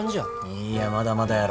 いいやまだまだやろ。